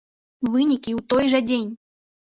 Вынікі ў той жа дзень!